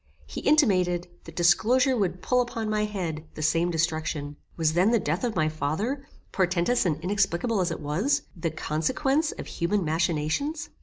He intimated, that disclosure would pull upon my head, the same destruction. Was then the death of my father, portentous and inexplicable as it was, the consequence of human machinations?